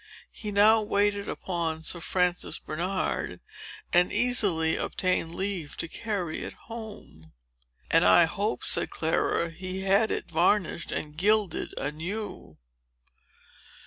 He now waited upon Sir Francis Bernard, and easily obtained leave to carry it home." "And I hope," said Clara, "he had it varnished and gilded anew."